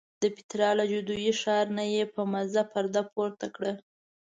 د پیترا له جادویي ښار نه یې په مزه پرده پورته کړه.